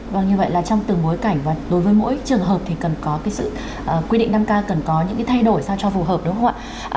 vâng như vậy là trong từng bối cảnh và đối với mỗi trường hợp thì cần có cái sự quy định năm k cần có những cái thay đổi sao cho phù hợp đúng không ạ